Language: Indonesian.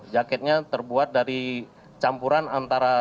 jaketnya terbuat dari campuran antara